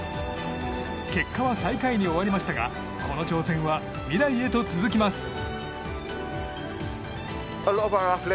結果は最下位に終わりましたがこの挑戦は未来へと続きます。